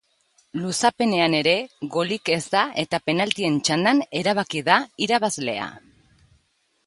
Luzapenean ere golik ez eta penaltien txandan erabaki da irabazlea.